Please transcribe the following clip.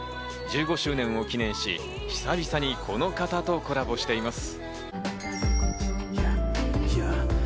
１５周年を記念し、久々にこの方とコラボしています。